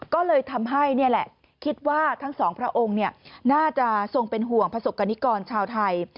ก็เลยทำให้นี่แหละคิดว่าทั้งสองพระองค์น่าจะทรงเป็นห่วงประสบกรณิกรชาวไทย